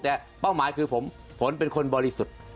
แต่เป้าหมายคือผลเป็นคนบริสุทธิ์